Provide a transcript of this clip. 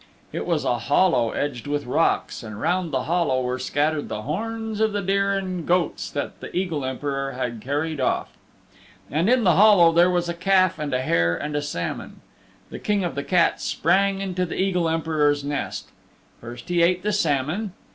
It was a hollow edged with rocks, and round that hollow were scattered the horns of the deer and goats that the Eagle Emperor had carried off. And in the hollow there was a calf and a hare and a salmon. The King of the Cats sprang into the Eagle Emperor's nest. First he ate the salmon.